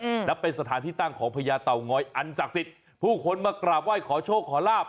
อืมแล้วเป็นสถานที่ตั้งของพญาเต่างอยอันศักดิ์สิทธิ์ผู้คนมากราบไหว้ขอโชคขอลาบ